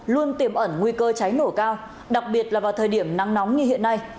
luôn tiềm ẩn nguy cơ cháy nổ cao đặc biệt là vào thời điểm nắng nóng như hiện nay